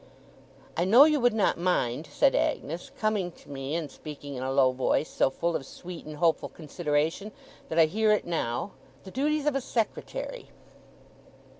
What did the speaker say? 'I know you would not mind,' said Agnes, coming to me, and speaking in a low voice, so full of sweet and hopeful consideration that I hear it now, 'the duties of a secretary.